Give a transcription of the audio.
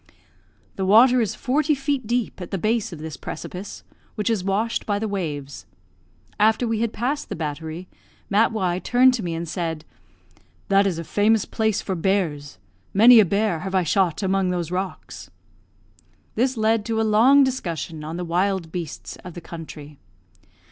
The water is forty feet deep at the base of this precipice, which is washed by the waves. After we had passed the battery, Mat Y turned to me and said, "That is a famous place for bears; many a bear have I shot among those rocks." This led to a long discussion on the wild beasts of the country.